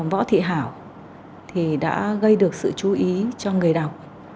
võ thị hảo thì đã gây được sự chú ý cho người đọc